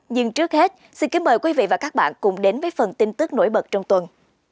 nhưng trước hết xin kính mời quý vị và các bạn cùng đến với phần tin tức nổi bật trong tuần